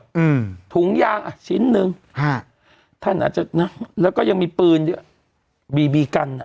อืมถุงยางอ่ะชิ้นหนึ่งฮะท่านอาจจะนะแล้วก็ยังมีปืนด้วยบีบีกันอ่ะ